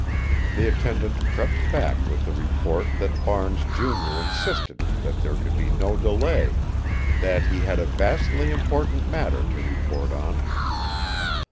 The attendant crept back with the report that Barnes junior insisted that there could be no delay that he had a vastly important matter to report on.